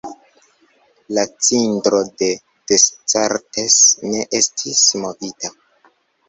La cindro de Descartes ne estis movita.